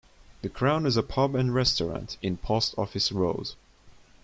The Crown is a pub and restaurant in Post Office Road.